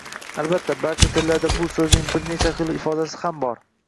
Albatta, barcha tillarda bu so’zning bir necha xil ifodasi ham bor.